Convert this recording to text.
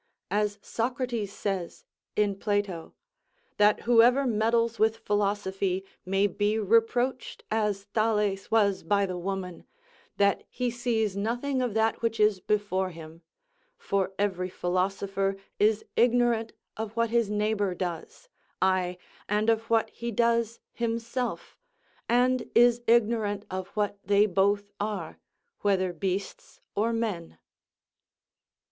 As Socrates says, in Plato, "That whoever meddles with philosophy may be reproached as Thales was by the woman, that he sees nothing of that which is before him. For every philosopher is ignorant of what his neighbour does; aye, and of what he does himself, and is ignorant of what they both are, whether beasts or men."